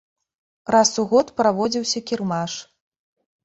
Раз у год праводзіўся кірмаш.